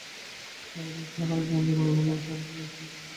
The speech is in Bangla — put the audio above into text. এলাকা থেকে সর্বহারা ও জেএমবি নির্মূলকে ইসরাফিলের সাফল্য হিসেবেই দেখেন অনেকে।